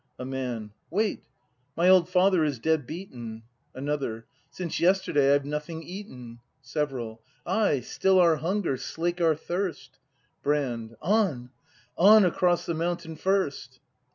A Man. Wait; my old father is dead beaten. Another. Since yesterday I've nothing eaten Several. Ay, still our hunger, slake our thirst! Brand. On, on, across the mountain first!